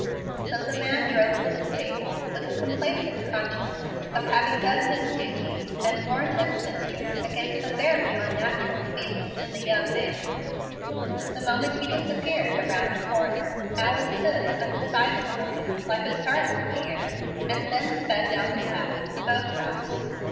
So the man drove to the stable with the complacent consciousness of having done his duty and warned his mistress against a "very onnatteral feelin'" in the young man. The moment he disappeared around the corner, Alice stood undecided a moment, like a startled deer, and then sped down the path to the boat house.